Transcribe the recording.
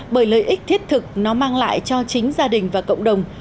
bởi lợi ích thiết thực nó mang lại cho chính gia đình và cộng đồng